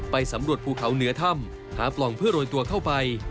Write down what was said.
สำรวจภูเขาเหนือถ้ำหาปล่องเพื่อโรยตัวเข้าไป